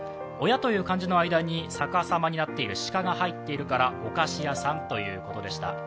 親という漢字の間に逆さまになっているしかが入ってるから、お菓子屋さんということでした。